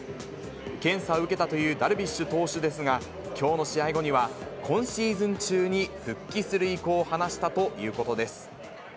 検査を受けたというダルビッシュ投手ですが、きょうの試合後には、今シーズン中に復帰する意向を話したということです。